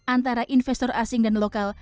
antara investor asing dan lokal